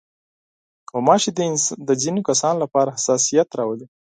غوماشې د ځينو کسانو لپاره حساسیت راولي.